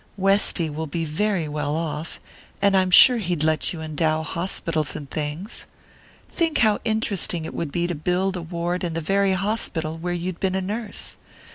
Westy will be very well off and I'm sure he'd let you endow hospitals and things. Think how interesting it would be to build a ward in the very hospital where you'd been a nurse!